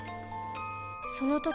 その時